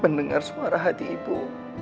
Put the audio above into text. pendengar suara hati ibu